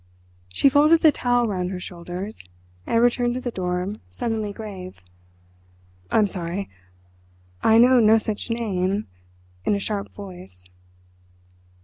She folded the towel round her shoulders, and returned to the door, suddenly grave. "I'm sorry; I know no such name," in a sharp voice.